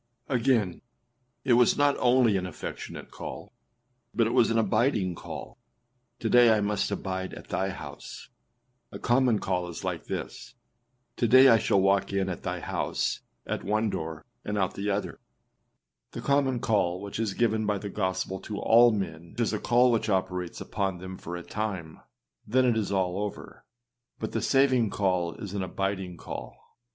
â 6. Again, it was not only an affectionate call, but it was an abiding call. âTo day I must abide at thy house.â A common call is 325 Spurgeonâs Sermons Vol. II ClassicChristianLibrary.com like this: âTo day I shall walk in at thy house at one door, and out at the other.â The common call which is given by the gospel to all men is a call which operates upon them for a time, and then it is all over; but the saving call is an abiding call.